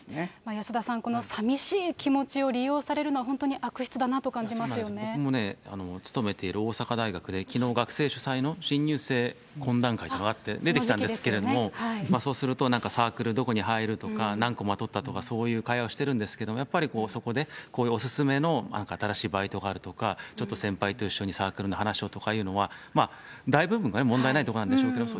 安田さん、このさみしい気持ちを利用されるのは、本当に悪質僕もね、勤めている大阪大学で、きのう学生主催の新入生懇談会というのがあって、出てきたんですけれども、そうすると、サークルどこに入るとか、何こま取ったとか、そういう会話をしてるんですけれども、やはりそこでこういうお勧めのなんか新しいバイトがあるとか、ちょっと先輩と一緒にサークルの話をとかいうのは、大部分は問題ないところなんでしょうけれども、